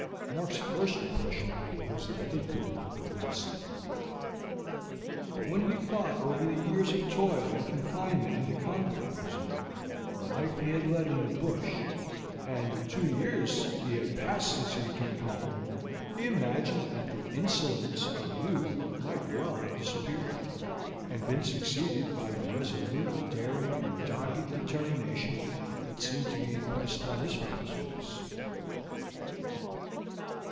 Mark's first impression was that it could not be Bastow; but when he thought over the years of toil and confinement in the convict prison, the life he had led in the bush, and the two years he had passed since he returned home, he imagined that the insolence of youth might well have disappeared, and been succeeded by the resolute daring and dogged determination that seemed to be impressed on this fellow's face.